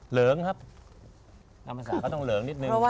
เหลืองครับอำจารย์ก็ต้องเหลืองนิดนึง